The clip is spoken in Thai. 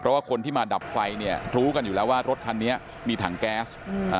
เพราะว่าคนที่มาดับไฟเนี่ยรู้กันอยู่แล้วว่ารถคันนี้มีถังแก๊ส